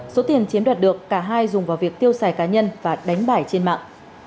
số tiền chiếm đoạt được cả hai dùng vào việc tiêu xài cá nhân và đánh bải trên mạng